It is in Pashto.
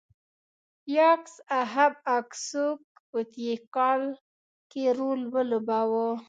یاکس اهب اکسوک په تیکال کې رول ولوباوه.